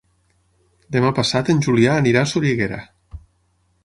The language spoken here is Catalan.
Demà passat en Julià anirà a Soriguera.